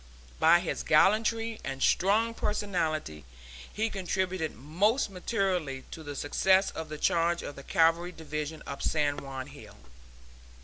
By his gallantry and strong personality he contributed most materially to the success of the charge of the Cavalry Division up San Juan Hill.